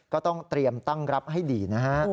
ก็ต้องเตรียมตั้งรับให้ดีนะฮะ